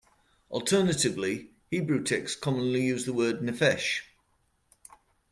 Alternatively, Hebrew texts commonly use the word "nephesh".